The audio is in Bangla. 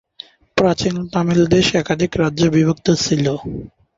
প্রাচীন তামিল দেশ একাধিক রাজ্যে বিভক্ত ছিল।